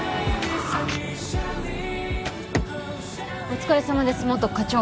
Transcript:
お疲れさまです元課長。